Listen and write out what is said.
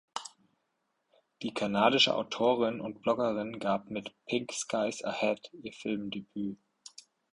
Die kanadische Autorin und Bloggerin gibt mit "Pink Skies Ahead" ihr Filmdebüt.